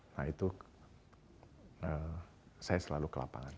nah itu saya selalu ke lapangan